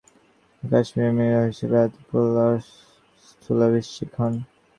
তিনি কাশ্মীরের মিরওয়াইস হিসাবে আতিকুল্লাহর স্থলাভিষিক্ত হন।